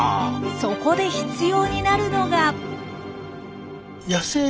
そこで必要になるのが。